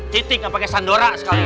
titik nggak pakai sandora